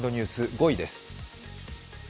５位です。